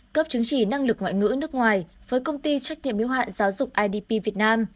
cấp chứng chỉ năng lực ngoại ngữ nước ngoài với công ty trách nhiệm yếu hạn giáo dục idp việt nam